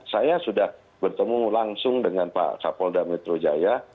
saya sudah bertemu langsung dengan pak kapolda metro jaya